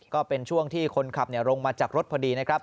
ก็เป็นช่วงที่คนขับลงมาจากรถพอดีนะครับ